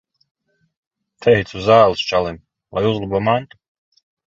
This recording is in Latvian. Teicu zāles čalim, lai uzlabo mantu.